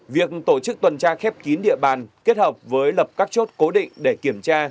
việc tổ chức tuần tra khép kín địa bàn kết hợp với lập các chốt cố định để kiểm tra